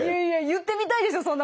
いやいや言ってみたいですよ